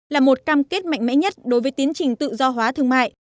là một cam kết mạnh mẽ nhất đối với tiến trình tự do hóa thương mại